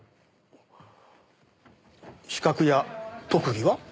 資格や特技は？